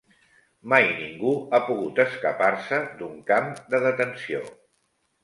Mai ningú ha pogut escapar-se d'un camp de detenció